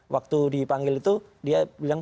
waktu dipanggil itu dia bilang